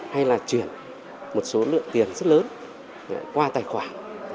hay là chuyển một số lượng tiền rất lớn qua tài khoản